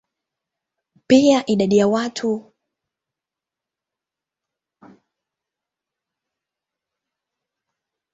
Pia idadi ya watumwa wa nyumbani iliongezeka sana katika Afrika Magharibi.